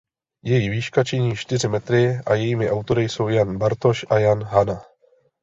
Její výška činí čtyři metry a jejími autory jsou Jan Bartoš a Jan Hana.